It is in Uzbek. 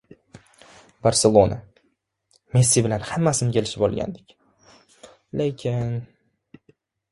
"Barselona": "Messi bilan hammasini kelishib olgandik, lekin..."